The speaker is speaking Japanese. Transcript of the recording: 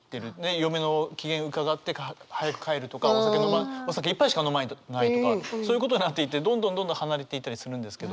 嫁の機嫌伺ってか早く帰るとかお酒一杯しか飲まないとかそういうことになっていってどんどんどんどん離れていったりするんですけど。